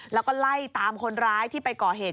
แล้วก็ไล่ตามคนร้ายที่ไปก่อเหตุ